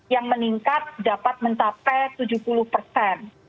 yang meningkat dapat mencapai tujuh puluh persen